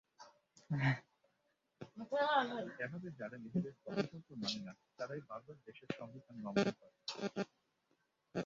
এভাবে যারা নিজেদের গঠনতন্ত্র মানে না, তারাই বারবার দেশের সংবিধান লঙ্ঘন করে।